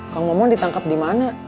kang maman ditangkap di mana